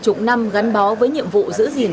chục năm gắn bó với nhiệm vụ giữ gìn